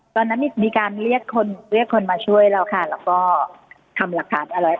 ตอนนั้นมีการเรียกคนเรียกคนมาช่วยแล้วค่ะแล้วก็ทำหลักฐานอะไร